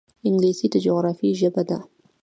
انګلیسي د جغرافیې ژبه ده